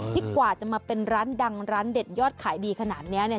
กว่าจะมาเป็นร้านดังร้านเด็ดยอดขายดีขนาดนี้เนี่ย